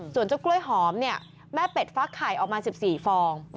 ส่วนเจ้ากล้วยหอมเนี่ยแม่เป็ดฟักไข่ออกมา๑๔ฟอง